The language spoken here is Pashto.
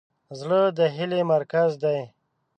زړه د هیلې مرکز دی.